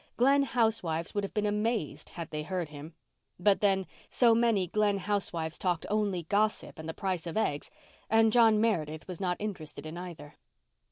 Glen housewives would have been amazed had they heard him. But then so many Glen housewives talked only gossip and the price of eggs, and John Meredith was not interested in either.